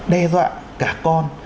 đe dọa cả con